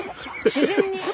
自然に。